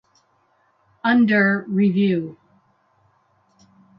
Under Rev.